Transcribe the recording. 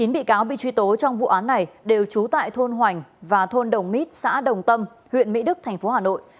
chín bị cáo bị truy tố trong vụ án này đều trú tại thôn hoành và thôn đồng mít xã đồng tâm huyện mỹ đức thành phố hà nội